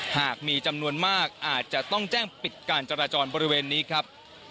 หากมีจำนวนมากอาจจะต้องแจ้งปิดการจราจรบริเวณนี้ครับ